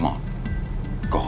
pergi ke rumah